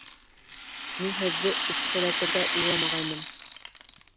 Мин һеҙҙе үпкәләтергә уйламағайным